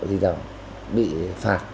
thì tàu bị phạt